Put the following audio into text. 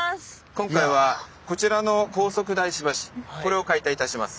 今回はこちらの高速大師橋これを解体いたします。